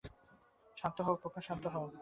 শান্ত হও, খোকা।